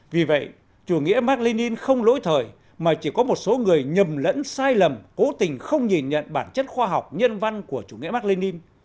vì vậy chủ nghĩa mark lê ninh không lỗi thời mà chỉ có một số người nhầm lẫn sai lầm cố tình không nhìn nhận bản chất khoa học nhân văn của chủ nghĩa mark lê ninh